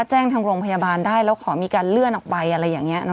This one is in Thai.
แจ้งทางโรงพยาบาลได้แล้วขอมีการเลื่อนออกไปอะไรอย่างนี้